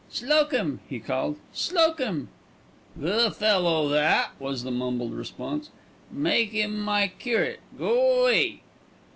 "Slocum," he called. "Slocum!" "Goo' fellow tha'," was the mumbled response. "Make him my curate. Go 'way."